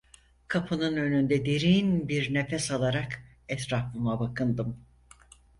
Kapının önünde derin bir nefes alarak etrafıma bakındım.